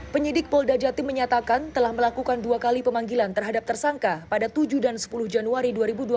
penyidik polda jatim menyatakan telah melakukan dua kali pemanggilan terhadap tersangka pada tujuh dan sepuluh januari dua ribu dua puluh